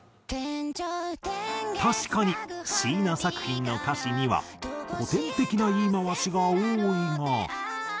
確かに椎名作品の歌詞には古典的な言い回しが多いが。